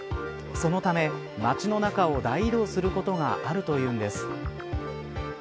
そのため、街の中を大移動することがあるというんです。